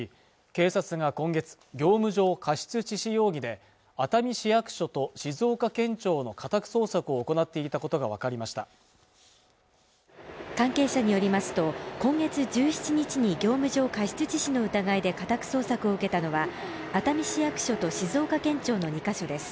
警察が今月業務上過失致死容疑で熱海市役所と静岡県庁の家宅捜索を行っていたことが分かりました関係者によりますと今月１７日に業務上過失致死の疑いで家宅捜索を受けたのは熱海市役所と静岡県庁の２か所です